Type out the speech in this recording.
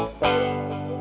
terima kasih om